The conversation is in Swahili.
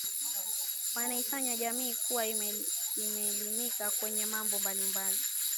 wanaifanya jamii kuwa imeelimika kwenye mambo mbali mbali